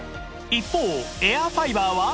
一方エアファイバーは